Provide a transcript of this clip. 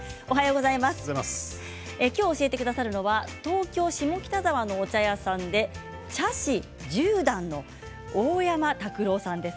今日、教えてくださるのは東京・下北沢のお茶屋さんで茶師十段の大山拓朗さんです。